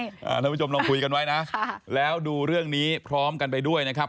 ท่านผู้ชมลองคุยกันไว้นะแล้วดูเรื่องนี้พร้อมกันไปด้วยนะครับ